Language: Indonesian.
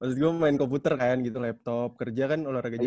terus gue main komputer kan gitu laptop kerja kan olahraga juga